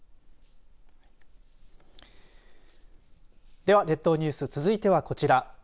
では列島ニュース続いてはこちら。